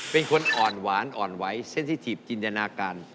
เป็นคนอ่อนหวานอ่อนไหวเซนสิทิฟจินจนาการ